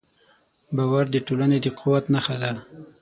باور د ټولنې د قوت نښه ده.